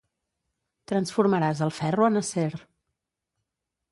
Transformaràs el ferro en acer.